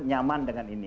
nyaman dengan ini